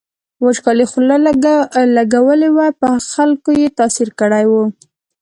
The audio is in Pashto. وچکالۍ خوله لګولې وه په خلکو یې تاثیر کړی و.